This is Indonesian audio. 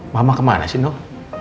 mama kemana sih noh